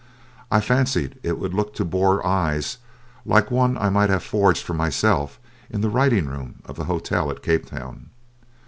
I fancied it would look to Boer eyes like one I might have forged for myself in the writing room of the hotel at Cape Town.